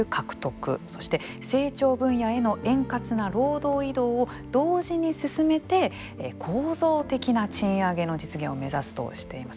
そして、成長分野への円滑な労働移動を同時に進めて構造的な賃上げの実現を目指すとしています。